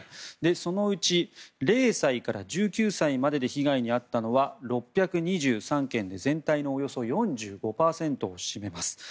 そのうち０歳から１９歳までで被害に遭ったのは６２３件で全体のおよそ４５％を占めます。